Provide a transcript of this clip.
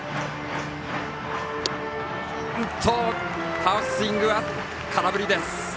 ハーフスイング空振りです。